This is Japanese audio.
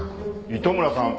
糸村さん。